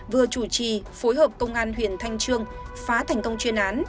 vừa chủ trì phối hợp công an huyện thanh trương phá thành công chuyên án